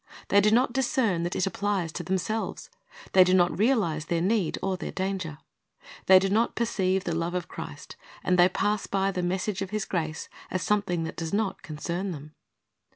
They do not discern that it applies to themselves. They do not realize their need or their danger. They do not perceive the love of Christ, and they pass by the message of His grace as something that does not concern them.